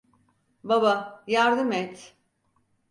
Baba, yardım et!